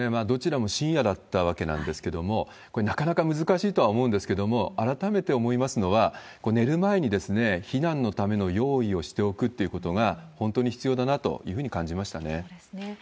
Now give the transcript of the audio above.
どちらも深夜だったわけなんですけれども、これ、なかなか難しいとは思うんですけれども、改めて思いますのは、寝る前に避難のための用意をしておくということが、本当に必要だなというふうに感じましたね。